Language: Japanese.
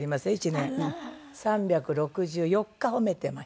３６４日褒めてましたね。